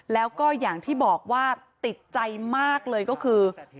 แล้วก็อย่างที่บอกว่าติดใจมากเลยก็คือ